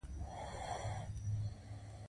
د داسې کسانو خپلوانو د مړي د ښخولو اجازه نه لرله.